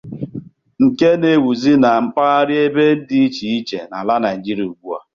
nke na-ewùzị na mpaghara ebe dị iche iche n'ala Nigeria ugbu a.